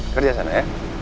kerja sana ya